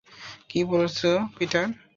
কী বলছ পিটার?